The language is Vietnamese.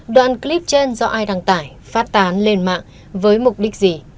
đoạn clip trên do ai đăng tải phát tán lên mạng với mục đích gì